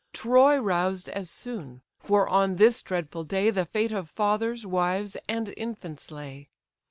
Troy roused as soon; for on this dreadful day The fate of fathers, wives, and infants lay.